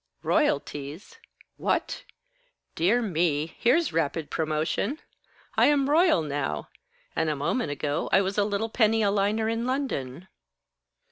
"Royalties? What? Dear me, here's rapid promotion! I am royal now! And a moment ago I was a little penny a liner in London."